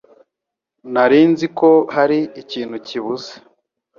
Nari nzi ko hari ikintu kibuze.